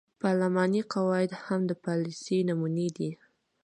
پارلماني قواعد هم د پالیسۍ نمونې دي.